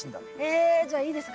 えじゃあいいですか？